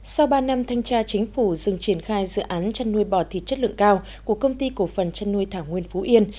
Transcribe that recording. sau ba năm thanh tra chính phủ dừng triển khai dự án chăn nuôi bò thịt chất lượng cao của công ty cổ phần chăn nuôi thảo nguyên phú yên